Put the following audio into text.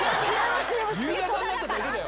夕方になっただけだよ。